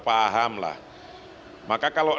pahamlah maka kalau